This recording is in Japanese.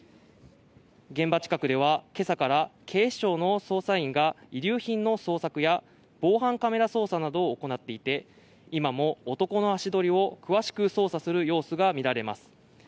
現場近くでは今朝から、警視庁の捜査員が、遺留品の捜索や防犯カメラ捜査などを行っていて今も男の足取りを詳しく捜査する様子が見られます。